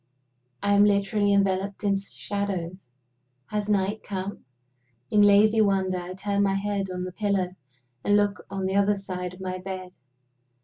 I am literally enveloped in shadows. Has night come? In lazy wonder, I turn my head on the pillow, and look on the other side of my bed.